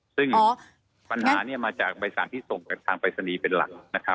ซึ่งปัญหามาจากใบสั่งที่ส่งกับทางปรายศนีย์เป็นหลัก